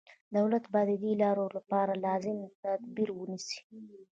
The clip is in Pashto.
دولت باید ددې چارو لپاره لازم تدابیر ونیسي.